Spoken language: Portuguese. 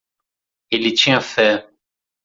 Ele tinha fé.